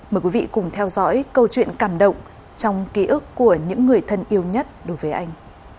mời quý vị cùng theo dõi câu chuyện cảm động trong ký ức của những người thân yêu nhất đối với anh